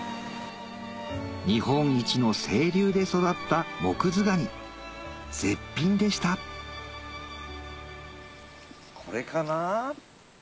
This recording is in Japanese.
日本一の清流で育ったモクズガニ絶品でしたこれかな？